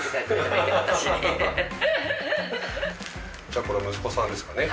じゃあこれ息子さんですかね。